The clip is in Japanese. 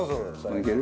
いける？